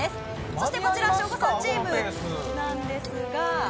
そして省吾さんチームなんですが。